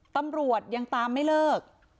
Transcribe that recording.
ตำรวจยังตามไม่เลิก